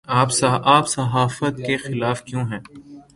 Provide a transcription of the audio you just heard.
آپ صحافت کے خلاف کیوں ہیں